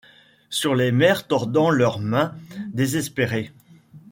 Sur les mères tordant leurs mains désespérées